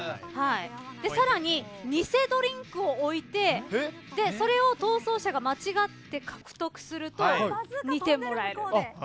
さらに、にせドリンクを置いてそれを逃走者が間違って獲得すると２点もらえる。